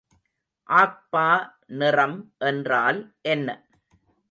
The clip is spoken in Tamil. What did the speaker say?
ஆக்பா நிறம் என்றால் என்ன?